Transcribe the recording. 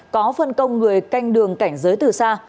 có phân công người canh đường cảnh giới từ xa